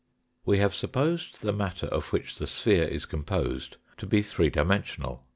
We have supposed the matter of which the sphere is composed to be three dimensional.